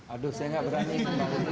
aduh saya gak berani